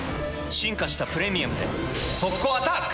進化した「プレミアム」で速攻アタック！